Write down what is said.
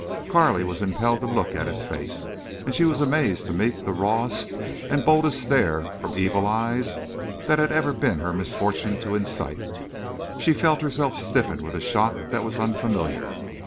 Carley was impelled to look at his face, and she was amazed to meet the rawest and boldest stare from evil eyes that had ever been her misfortune to incite. She felt herself stiffen with a shock that was unfamiliar.